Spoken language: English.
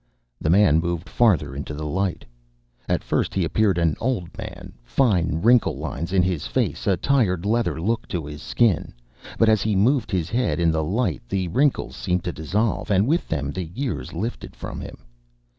The man moved farther into the light. At first, he'd appeared an old man, fine wrinkle lines in his face, a tired leather look to his skin. But as he moved his head in the light, the wrinkles seemed to dissolve and with them, the years lifted from him.